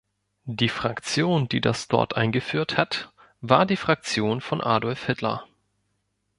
Die Fraktion, die das dort eingeführt hat, war die Fraktion von Adolf Hitler.